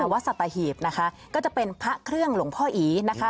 วัดสัตหีบนะคะก็จะเป็นพระเครื่องหลวงพ่ออีนะคะ